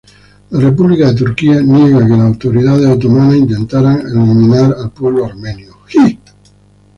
La República de Turquía niega que las autoridades otomanas intentaran eliminar al pueblo armenio.